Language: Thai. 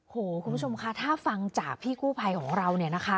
คุณผู้ชมคะถ้าฟังจากพี่กู้ภัยของเราเนี่ยนะคะ